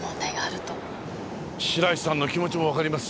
白石さんの気持ちもわかります。